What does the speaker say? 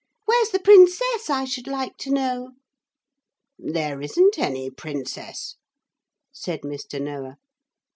Where's the princess, I should like to know?' 'There isn't any princess,' said Mr. Noah.